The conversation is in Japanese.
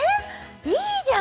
いいじゃん！